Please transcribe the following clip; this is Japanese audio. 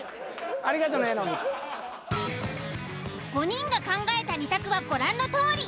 ５人が考えた２択はご覧のとおり。